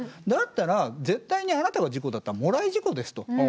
だったら絶対にあなたが事故だったらもらい事故ですと。